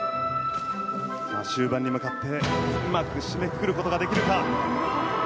終盤に向かって、うまく締めくくることができるか。